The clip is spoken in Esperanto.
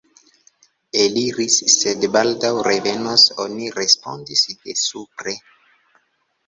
Eliris, sed baldaŭ revenos, oni respondis de supre.